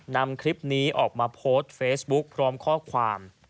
นำคลิปนี้ออกมาโพสต์เฟซบุ๊กพร้อมข้อความ